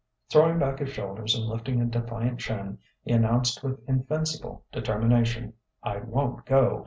Throwing back his shoulders and lifting a defiant chin, he announced with invincible determination: "I won't go.